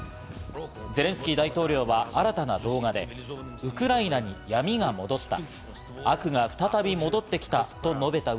ゼレンスキー大統領は新たな動画でウクライナに闇が戻った。